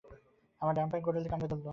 আমার ডান পায়ের গোড়ালি কামড়ে ধরল।